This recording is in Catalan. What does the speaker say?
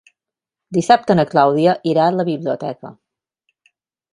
Dissabte na Clàudia irà a la biblioteca.